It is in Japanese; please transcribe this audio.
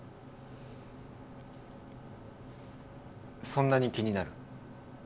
そんなに気になる？